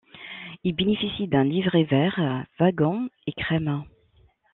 Il bénéficie d'un livrée vert wagon et crème.